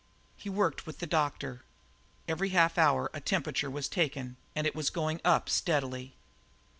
He worked with the doctor. Every half hour a temperature was taken, and it was going up steadily.